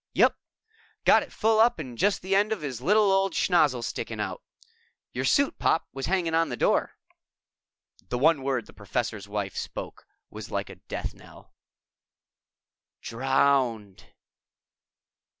"Yep. Got it full up and just the end of his little old schnozzle sticking out. Your suit, Pop, was hanging on the door." The one word the Professor's Wife spoke was like a death knell. "_Drowned!